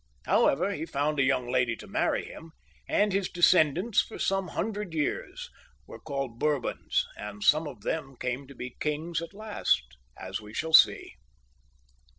However, he found a young lady to marry him, and his descendants for some hundred years were called Bourbons, and some of them came to be kings at last, as we shall see.